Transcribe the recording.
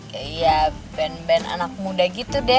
kayak band band anak muda gitu deh